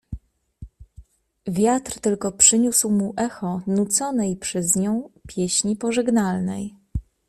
"Wiatr tylko przyniósł mu echo nuconej przez nią pieśni pożegnalnej."